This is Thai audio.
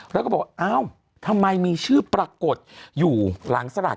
แล้วก็บอกอ้าวทำไมมีชื่อปรากฏอยู่หลังสลาก